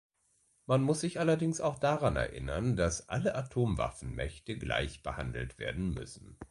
Man muss sich allerdings auch daran erinnern, dass alle Atomwaffenmächte gleich behandelt werden müssen.